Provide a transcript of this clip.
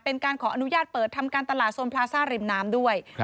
เป็นการขออนุญาตเปิดทำการตลาดโซนพลาซ่าริมน้ำด้วย